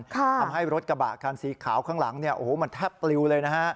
ทำให้รถกระบะคันสีขาวข้างหลังมันแทบปลิวเลยนะฮะ